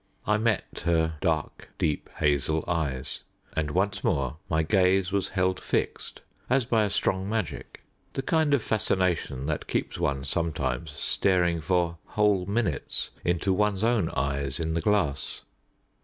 I met her dark, deep hazel eyes, and once more my gaze was held fixed as by a strong magic the kind of fascination that keeps one sometimes staring for whole minutes into one's own eyes in the glass.